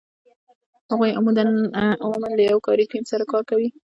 هغوی عمومآ له یو کاري ټیم سره کار کوي.